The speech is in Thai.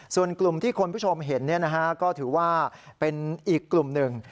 ส่วนกลุ่มที่คุณผู้ชมเห็นก็ถือว่าเป็นอีกกลุ่มหนึ่ง